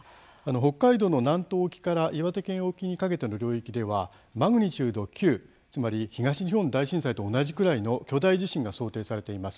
北海道の南東沖から岩手県沖にかけての領域ではマグニチュード９、つまり東日本大震災と同じくらいの巨大地震が想定されています。